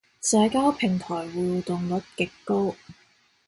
社交平台互動率極高